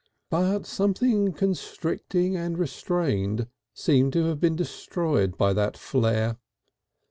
But something constricting and restrained seemed to have been destroyed by that flare.